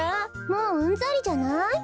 もううんざりじゃない？